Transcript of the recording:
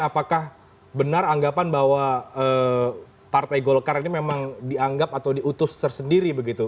apakah benar anggapan bahwa partai golkar ini memang dianggap atau diutus tersendiri begitu